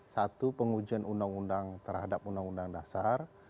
satu pengujian undang undang terhadap undang undang dasar